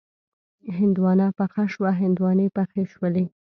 هندواڼه پخه شوه، هندواڼې پخې شولې